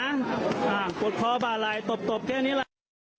อ่ากดคอบาลัยตบตบแค่นี้แหละ